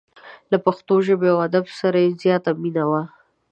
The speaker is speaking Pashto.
له پښتو ژبې او ادب سره یې زیاته مینه وه.